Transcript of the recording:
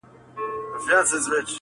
چي ته بېلېږې له خپل كوره څخه,